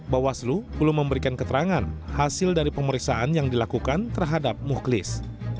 bawaslu belum memberikan keterangan hasil dari pemeriksaan yang dilakukan terhadap muhlis